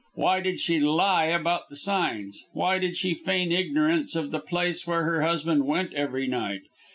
Why did she lie about the signs? Why did she feign ignorance of the place where her husband went every night?